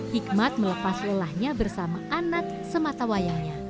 hikmat melepas lelahnya bersama anak sematawayangnya